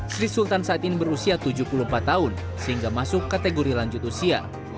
sri sultan saat ini berusia tujuh puluh empat tahun sehingga masuk kategori lanjut usia